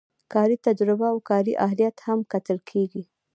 کاري تجربه او کاري اهلیت هم کتل کیږي.